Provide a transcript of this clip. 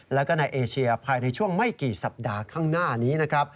แล้วก็ในเอเชียภายในช่วงไม่กี่สัปดาห์ข้างหน้านี้นะครับ